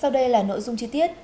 sau đây là nội dung chi tiết